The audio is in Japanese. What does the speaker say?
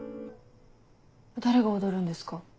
誰が踊るんですか？